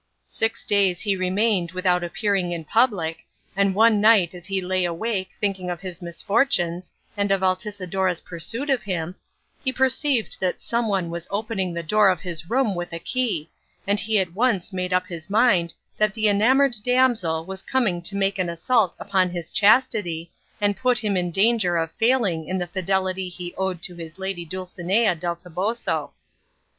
Six days he remained without appearing in public, and one night as he lay awake thinking of his misfortunes and of Altisidora's pursuit of him, he perceived that some one was opening the door of his room with a key, and he at once made up his mind that the enamoured damsel was coming to make an assault upon his chastity and put him in danger of failing in the fidelity he owed to his lady Dulcinea del Toboso.